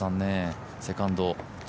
セカンド。